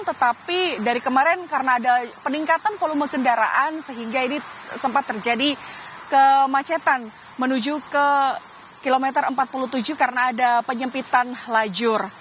tetapi dari kemarin karena ada peningkatan volume kendaraan sehingga ini sempat terjadi kemacetan menuju ke kilometer empat puluh tujuh karena ada penyempitan lajur